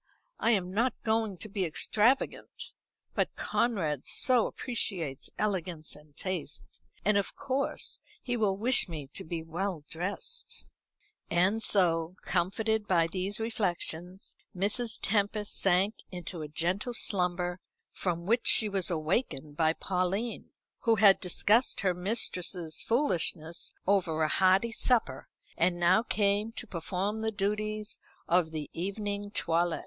I am not going to be extravagant, but Conrad so appreciates elegance and taste; and of course he will wish me to be well dressed." And so, comforted by these reflections, Mrs. Tempest sank into a gentle slumber, from which she was awakened by Pauline, who had discussed her mistress's foolishness over a hearty supper, and now came to perform the duties of the evening toilet.